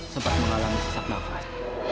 sempat mengalami sesak nafas